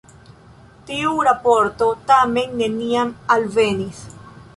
Tiu raporto tamen neniam alvenis.